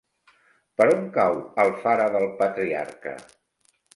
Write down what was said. Per on cau Alfara del Patriarca?